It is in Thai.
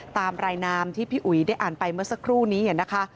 ตามรายนามที่พี่อุ๋ยได้อ่านไปเมื่อสักครู่นี้นะคะ